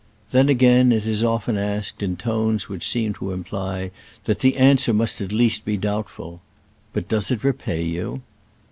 Then, again, it is often asked, in tones which seem to imply that 'the answer must at least be doubtful, '* But does it repay you